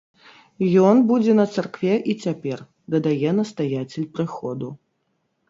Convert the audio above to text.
Ён будзе на царкве і цяпер, дадае настаяцель прыходу.